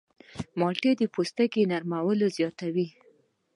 مالټې د پوستکي نرموالی زیاتوي.